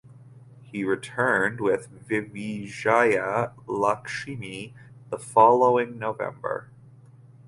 He returned with Vijaya Lakshmi the following November.